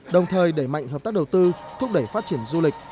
đồng thời đẩy mạnh hợp tác đầu tư thúc đẩy phát triển du lịch